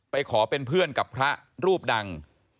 ขอเป็นเพื่อนกับพระรูปดัง